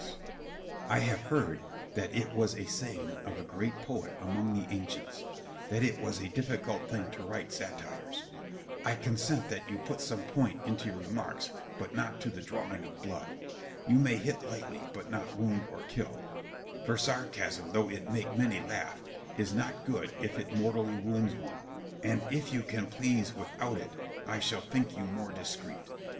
Scip. I have heard that it was a saying of a great poet among the ancients, that it was a difficult thing to write satires. I consent that you put some point into your remarks, but not to the drawing of blood. You may hit lightly, but not wound or kill; for sarcasm, though it make many laugh, is not good if it mortally wounds one; and if you can please without it, I shall think you more discreet.